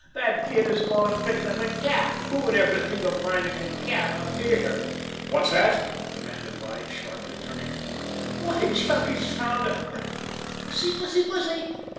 "That kid has gone and picked up a cat. Who would ever think of finding a cat up here?" "What's that?" demanded Lige sharply, turning to them. "Why, Chunky's found a " "Pussy, pussy, pussy!